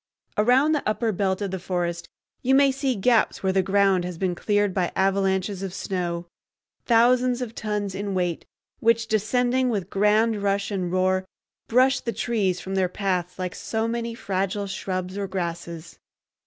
Around the upper belt of the forest you may see gaps where the ground has been cleared by avalanches of snow, thousands of tons in weight, which, descending with grand rush and roar, brush the trees from their paths like so many fragile shrubs or grasses.